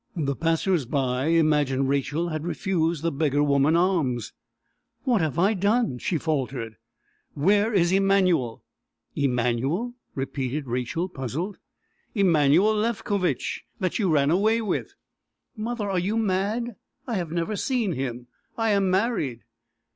The passers by imagined Rachel had refused the beggar woman alms. "What have I done?" she faltered. "Where is Emanuel?" "Emanuel!" repeated Rachel, puzzled. "Emanuel Lefkovitch that you ran away with." "Mother, are you mad? I have never seen him. I am married."